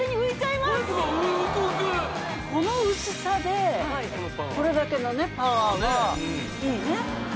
この薄さでこのパワーこれだけのねパワーはいいね